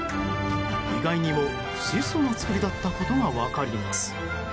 意外にも質素な作りだったことが分かります。